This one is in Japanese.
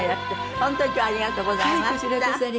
本当に今日はありがとうございました。